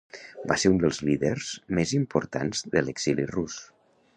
Va ser un dels líders més importants de l'exili rus.